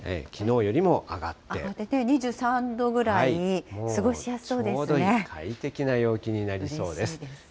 上がってて、２３度ぐらい、ちょうどいい、快適な陽気になりそうです。